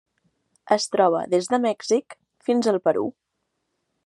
Es troba des de Mèxic fins al Perú.